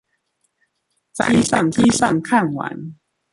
在飛機上看完